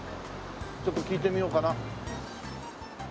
ちょっと聞いてみようかな？